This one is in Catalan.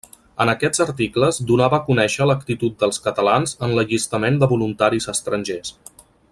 En aquests articles donava a conèixer l'actitud dels catalans en l'allistament de voluntaris estrangers.